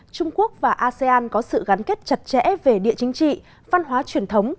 trung quốc và asean có sự gắn kết chặt chẽ về địa chính trị văn hóa truyền thống